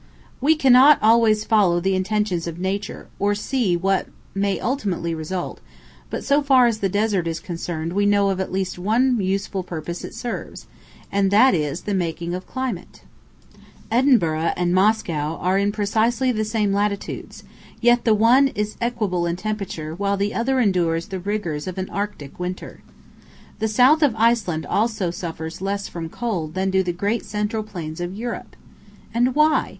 We cannot always follow the intentions of Nature, or see what may ultimately result, but so far as the desert is concerned we know of at least one useful purpose it serves, and that is the making of climate. Edinburgh and Moscow are in precisely the same latitudes, yet the one is equable in temperature while the other endures the rigours of an arctic winter. The South of Iceland also suffers less from cold than do the great central plains of Europe. And why?